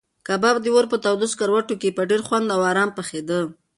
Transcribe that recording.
کباب د اور په تودو سکروټو کې په ډېر خوند او ارام پخېده.